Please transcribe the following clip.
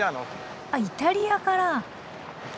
あっイタリアから？